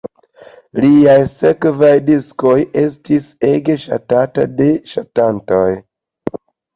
Liaj sekvaj diskoj estis ege ŝatataj de ŝatantoj.